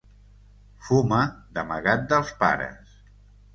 Fuma d'amagat dels pares.